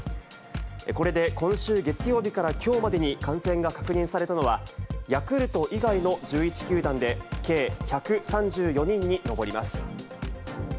これで今週月曜日からきょうまでに感染が確認されたのは、ヤクルト以外の１１球団で、計１３４人に上ります。